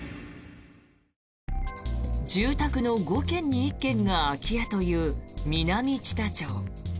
住宅の５軒に１軒が空き家という南知多町。